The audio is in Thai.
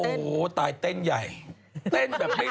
โอ้โหตายเต้นใหญ่เต้นแบบไม่